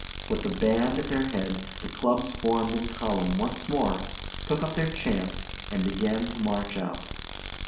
With the band at their head the clubs formed in column once more, took up their chant, and began to march out.